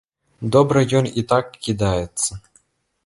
Добра ён і так кідаецца.